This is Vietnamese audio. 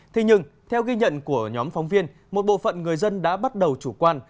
thế nhưng theo ghi nhận của nhóm phóng viên một bộ phận người dân đã bắt đầu chủ quan